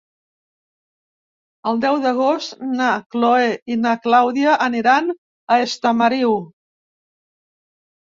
El deu d'agost na Chloé i na Clàudia aniran a Estamariu.